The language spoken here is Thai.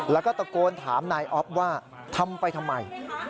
แล้วก็ตะโกนถามนายอ๊อฟว่าทำไปทำไม